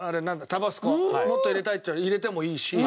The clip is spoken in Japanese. タバスコもっと入れたいって入れてもいいし。